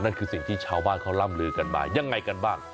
คือสิ่งที่ชาวบ้านเขาล่ำลือกันมายังไงกันบ้าง